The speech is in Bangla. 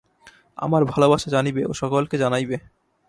আমার ভালবাসা জানিবে ও সকলকে জানাইবে।